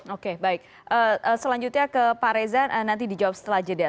oke baik selanjutnya ke pak reza nanti dijawab setelah jeda